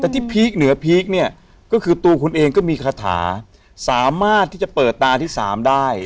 แต่ที่พีคเหนือพีคเนี่ยก็คือตัวคุณเองก็มีคาถาสามารถที่จะเปิดตาที่สามได้